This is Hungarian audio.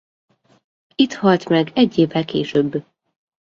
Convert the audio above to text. Itt halt meg egy évvel később.